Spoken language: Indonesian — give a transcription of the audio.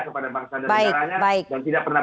kepada bangsa dan negaranya dan tidak pernah